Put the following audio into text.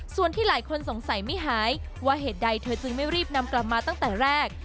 ส่วนที่หลายคนสงสัยไม่หายว่าเหตุใดเธอจึงไม่รีบนำกลับมาตั้งแต่แรก